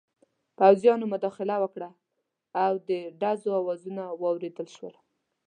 پوځیانو مداخله وکړه او د ډزو اوازونه واورېدل شول.